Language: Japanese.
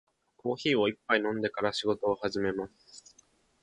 コーヒーを一杯飲んでから仕事を始めます。